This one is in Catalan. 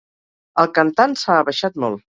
El cantant s'ha abaixat molt.